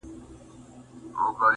• کال په کال خزانېدلای رژېدلای -